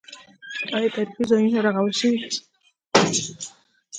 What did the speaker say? آیا تاریخي ځایونه رغول شوي؟